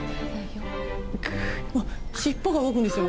あっ尻尾が動くんですよ